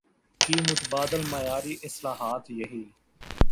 کی متبادل معیاری اصطلاحات یہی